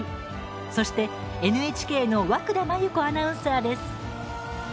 そして、ＮＨＫの和久田麻由子アナウンサーです。